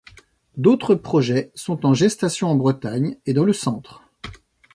D'autres projets sont en gestation en Bretagne et dans le Centre.